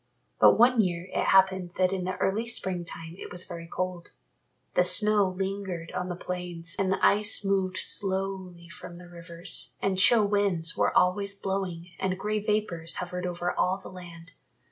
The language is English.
But one year it happened that in the early spring time it was very cold. The snow lingered on the plains and the ice moved slowly from the rivers and chill winds were always blowing and grey vapours hovered over all the land.